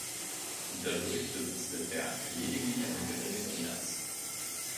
Dadurch besitzt der Berg lediglich eine geringe Dominanz.